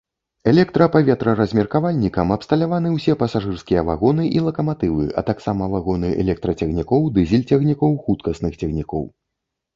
Электрапаветраразмеркавальнікам абсталяваны усе пасажырскія вагоны і лакаматывы, а таксама вагоны электрацягнікоў, дызель-цягнікоў, хуткасных цягнікоў.